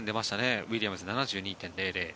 ウィリアムズ、７２．００。